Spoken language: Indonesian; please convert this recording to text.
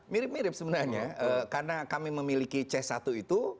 mirip mirip sebenarnya karena kami memiliki c satu itu